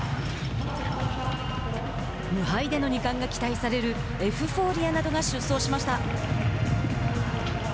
無敗での二冠が期待されるエフフォーリアなどが出走しました。